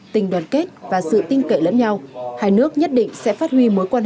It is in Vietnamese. tình đoàn kết và sự tin cậy lẫn nhau